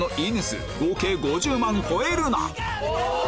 数合計５０万超えるな！